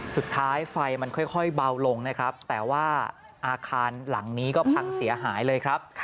ไฟมันค่อยเบาลงนะครับแต่ว่าอาคารหลังนี้ก็พังเสียหายเลยครับ